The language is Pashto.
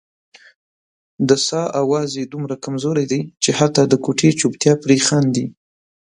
د ساه اواز یې دومره کمزوری دی چې حتا د کوټې چوپتیا پرې خاندي.